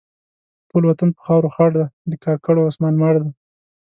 ټول وطن په خاورو خړ دی؛ د کاکړو عثمان مړ دی.